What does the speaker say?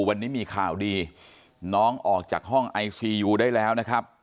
วันนี้มีข่าวดีน้องออกจากห้องไอซียูได้แล้วนะครับ